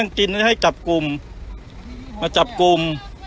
นั่งกินกินให้กลับกลุ่มมากลับกลุ่ม